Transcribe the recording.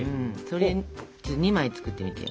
それ２枚作ってみてよ。